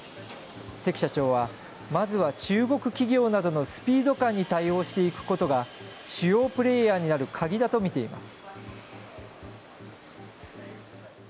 関社長は、まずは中国企業などのスピード感に対応していくことが主要プレーヤーになる鍵だと見ています。